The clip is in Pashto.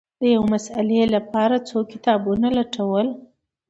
د یوې مسألې لپاره څو کتابونه لټول